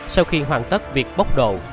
sau khi hoàn tất việc bóc đồ